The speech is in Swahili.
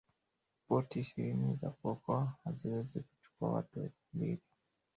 boti ishirini za kuokoa haziwezi kuchukua watu elfu mbili